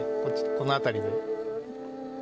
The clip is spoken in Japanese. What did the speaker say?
この辺りで。